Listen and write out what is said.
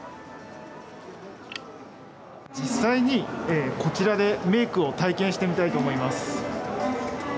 実際にこちらでメークを体験してみたいと思います。